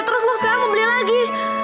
terus untuk sekarang mau beli lagi